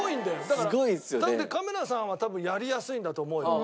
だからカメラさんは多分やりやすいんだと思うよ。